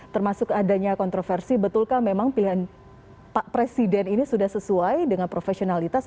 termasuk adanya kontroversi betulkah memang pilihan pak presiden ini sudah sesuai dengan profesionalitas